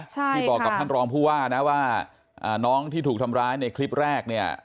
ที่บอกกับท่านรองผู้ว่าน้องที่ถูกทำร้ายในคลิปแรก